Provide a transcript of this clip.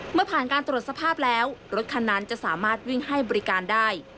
เมื่อผ่านการตรวจสภาพแล้วรถคันนั้นจะสามารถวิ่งให้บริการได้